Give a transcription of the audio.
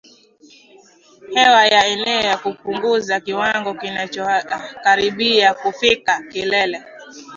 hewa ya eneo na kupunguza kiwango kinachokaribia kufikia kilele